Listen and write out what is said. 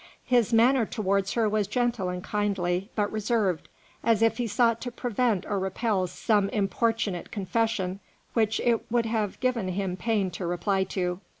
His manner towards her was gentle and kindly, but reserved, as if he sought to prevent or repel some importunate confession which it would have given him pain to reply to.